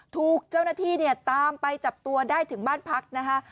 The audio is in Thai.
ถูกเจ้าหน้าที่เนี่ยตามไปจับตัวได้ถึงบ้านพักนะคะ